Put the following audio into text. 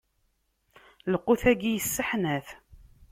Lqut-agi isseḥnat.